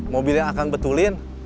mobil yang akan betulin